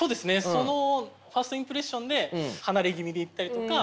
そのファーストインプレッションで離れ気味でいったりとか。